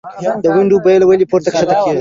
دونډیو بیه ولۍ پورته کښته کیږي؟